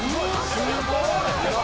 「すごい！」